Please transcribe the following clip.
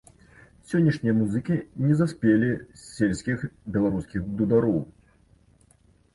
Сённяшнія музыкі не заспелі сельскіх беларускіх дудароў.